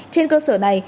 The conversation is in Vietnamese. trên cơ sở này